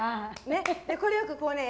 これをよくこうね。